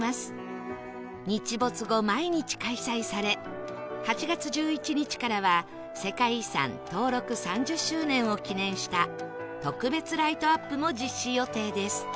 日没後毎日開催され８月１１日からは世界遺産登録３０周年を記念した特別ライトアップも実施予定です